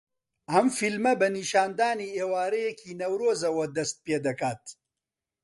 ئەم فیلمە بە نیشاندانی ئێوارەیەکی نەورۆزەوە دەست پێدەکات